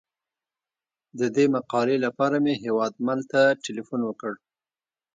د دې مقالې لپاره مې هیوادمل ته تیلفون وکړ.